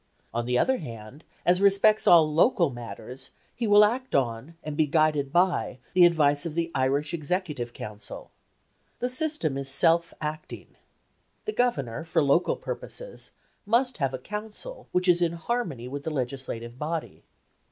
On the other hand, as respects all local matters, he will act on and be guided by the advice of the Irish Executive Council. The system is self acting. The Governor, for local purposes, must have a Council which is in harmony with the Legislative Body.